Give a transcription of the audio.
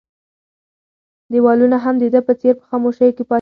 دیوالونه هم د ده په څېر په خاموشۍ کې پاتې وو.